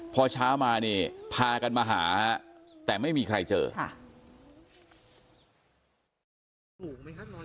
พอเช้ามาเนี่ยพากันมาหาแต่ไม่มีใครเจอค่ะ